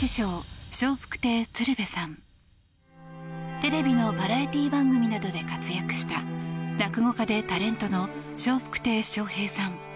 テレビのバラエティー番組などで活躍した落語家でタレントの笑福亭笑瓶さん。